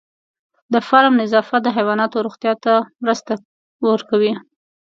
د فارم نظافت د حیواناتو روغتیا ته مرسته کوي.